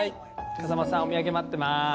風間さん、お土産待ってます。